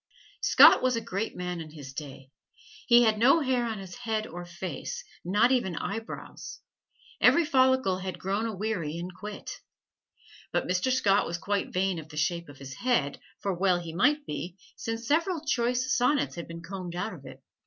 Scott was a great man in his day. He had no hair on his head or face, not even eyebrows. Every follicle had grown aweary and quit. But Mr. Scott was quite vain of the shape of his head, for well he might be, since several choice sonnets had been combed out of it.